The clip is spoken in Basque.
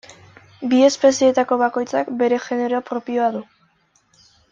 Bi espezietako bakoitzak bere genero propioa du.